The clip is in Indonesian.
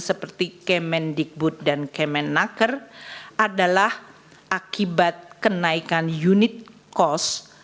seperti kemen digbud dan kemen naker adalah akibat kenaikan unit kos